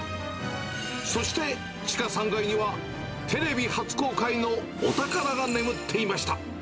そして、地下３階にはテレビ初公開のお宝が眠っていました。